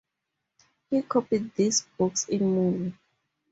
He copied these books in Mulu.